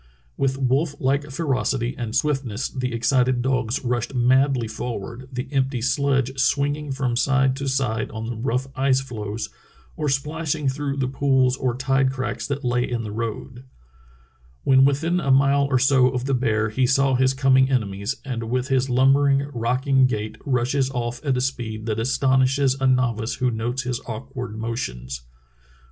With wolf like ferocity and swiftness the excited dogs rushed madly forward, the empty sledge swing ing from side to side on the rough ice floes or splashing through the pools or tide cracks that lay in the road. When within a mile or so of the bear he saw his coming 320 True Tales of Arctic Heroism enemies, and with his lumbering, rocking gait rushes off at a speed that astonishes a novice who notes his awk ward motions.